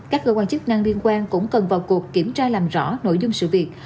các cơ quan chức năng liên quan cũng cần vào cuộc kiểm tra làm rõ nội dung sự việc